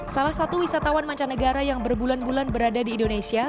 salah satu wisatawan mancanegara yang berbulan bulan berada di indonesia